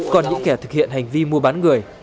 còn những kẻ thực hiện hành vi mua bán người